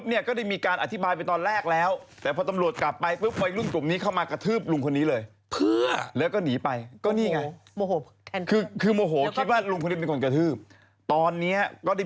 นี่นะครับก็ไม่ใช่วัยรุ่นน่ะสิโดนวัยรุ่นกระทืบนะครับ